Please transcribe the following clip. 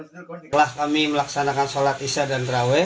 setelah kami melaksanakan sholat isya dan terawih